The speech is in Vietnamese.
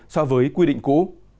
so với quy định cũ